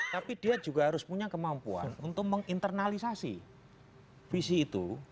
tapi dia juga harus punya kemampuan untuk menginternalisasi visi itu